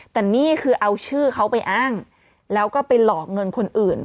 แต่นี่คือเอาชื่อเขาไปอ้างแล้วก็ไปหลอกเงินคนอื่น